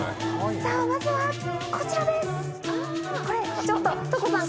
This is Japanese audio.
さぁまずはこちらです。